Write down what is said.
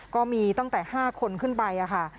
ก็มีตั้งแต่๕คนขึ้นไปค่ะ